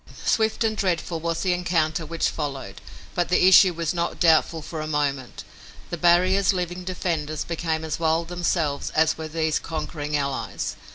Swift and dreadful was the encounter which followed, but the issue was not doubtful for a moment. The barrier's living defenders became as wild themselves as were these conquering allies.